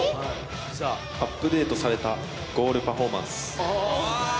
アップデートされたボールパフォーマンス。